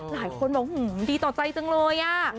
หลายคนบอกดีต่อใจจังเลย